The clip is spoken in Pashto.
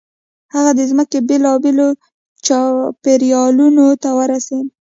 هغه د ځمکې بېلابېلو چاپېریالونو ته ورسېد.